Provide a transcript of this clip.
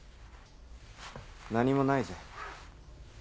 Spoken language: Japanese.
何もないぜ。